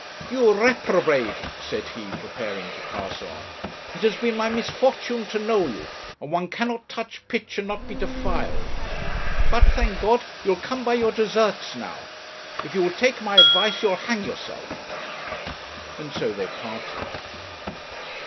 'You reprobate!' said he, preparing to pass on; 'it has been my misfortune to know you, and one cannot touch pitch and not be defiled. But, thank God, you'll come by your deserts now. If you will take my advice you'll hang yourself;' and so they parted.